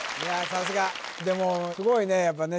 さすがでもすごいねやっぱね